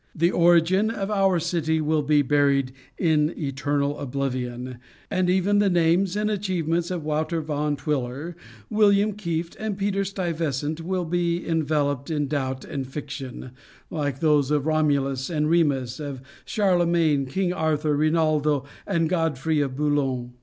The origin of our city will be buried in eternal oblivion, and even the names and achievements of Wouter Van Twiller, William Kieft, and Peter Stuyvesant be enveloped in doubt and fiction, like those of Romulus and Remus, of Charlemagne, King Arthur, Rinaldo, and Godfrey of Boulogne.